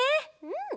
うん！